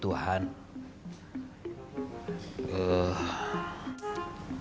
ternyata ya nggak perbuat tuh